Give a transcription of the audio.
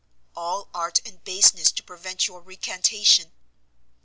"All art and baseness to prevent your recantation!"